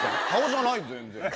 顔じゃない全然。